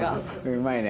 うまいね。